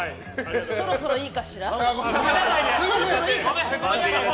そろそろいいかしら？